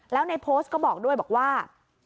แล้วในโพสต์ก็บอกด้วยบอกว่า